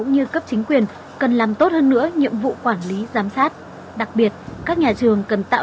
như cấp chính quyền cần làm tốt hơn nữa nhiệm vụ quản lý giám sát đặc biệt các nhà trường cần tạo